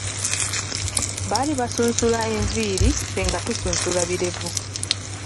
Baali basunsula enviiri, Ffe nga tusunsula birevu.